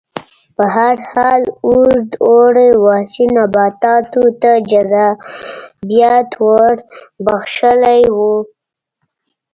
په هر حال اوږد اوړي وحشي نباتاتو ته جذابیت ور بخښلی و